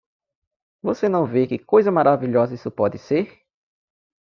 Você não vê que coisa maravilhosa isso pode ser?